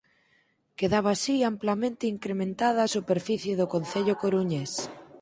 Quedaba así amplamente incrementada a superficie do concello coruñés.